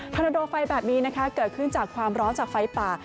โรโดไฟแบบนี้นะคะเกิดขึ้นจากความร้อนจากไฟป่า